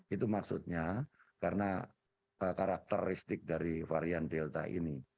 itu maksudnya karena karakteristik dari varian delta ini